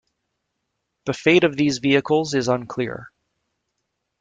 The fate of these vehicles is unclear.